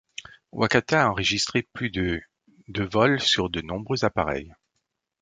Wakata a enregistré plus de de vol sur de nombreux appareils.